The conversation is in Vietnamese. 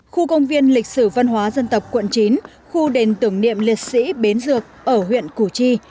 khu công viên lịch sử văn hóa dân tộc quận chín khu đền tưởng niệm liệt sĩ bến dược ở huyện củ chi